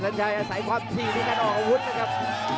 กระโดยสิ้งเล็กนี่ออกกันขาสันเหมือนกันครับ